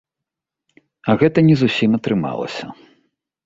А гэта не зусім атрымалася.